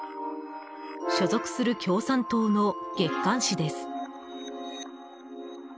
所属する共産党の月刊誌です。